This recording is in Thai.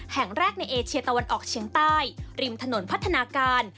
แห่งแรกในเอเชียตะวันออกเชียงใต้ริมถนนพัฒนาการ